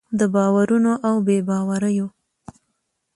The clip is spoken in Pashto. د باورونو او بې باوریو